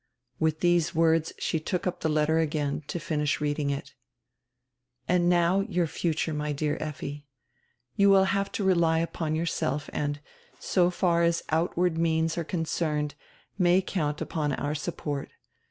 With diese words she took up die letter again to finish reading it. "— And now your future, my dear Effi. You will have to rely upon yourself and, so far as outward means are concerned, may count upon our support.